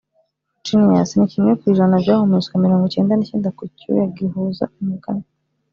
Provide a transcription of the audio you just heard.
genius ni kimwe ku ijana byahumetswe, mirongo cyenda n'icyenda ku icyuya guhuza umugani